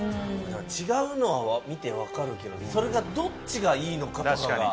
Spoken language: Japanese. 違うのは見て分かるけどそれがどっちがいいのかとかが。